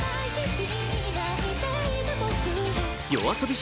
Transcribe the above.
ＹＯＡＳＯＢＩ